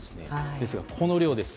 ですが、この量です。